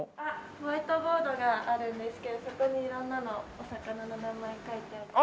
ホワイトボードがあるんですけどそこに色んなのお魚の名前書いてあります。